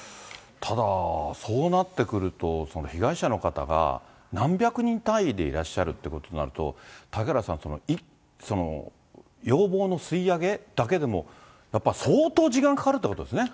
ただ、そうなってくると、被害者の方が何百人単位でいらっしゃるということになると、嵩原さん、要望の吸い上げだけでも、やっぱり相当時間がかかるってことですね。